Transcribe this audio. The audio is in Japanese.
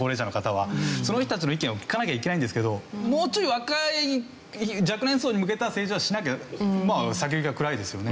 その人たちの意見を聞かなきゃいけないんですけどもうちょい若い若年層に向けた政治をしなきゃまあ先行きは暗いですよね。